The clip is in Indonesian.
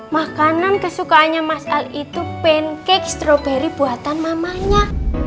makanan kesukaannya masal itu pancake strawberry buatan mamanya